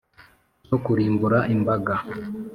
zo kurimbura imbaga